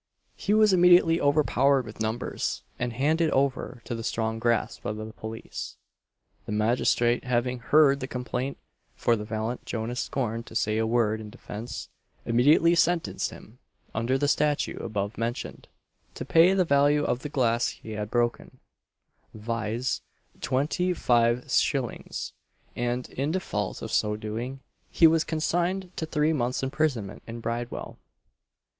He was immediately overpowered with numbers, and handed over to the strong grasp of the Police. [Illustration: JONAS TUNKS.] The magistrate having heard the complaint (for the valiant Jonas scorned to say a word in defence) immediately sentenced him, under the statute above mentioned, to pay the value of the glass he had broken viz. twenty five shillings; and in default of so doing, he was consigned to three months' imprisonment in Bridewell.